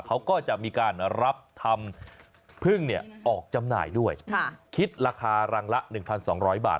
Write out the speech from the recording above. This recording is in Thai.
เขาก็จะมีการรับทำพึ่งเนี่ยออกจำหน่ายด้วยคิดราคารังละ๑๒๐๐บาท